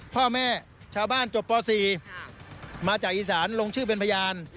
พ่อแม่ชาวบ้านจบป๔มาจากอีสานลงชื่อเป็นพยาน